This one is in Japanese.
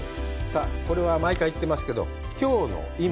さあ、これは毎回言ってますけど、きょうの、今。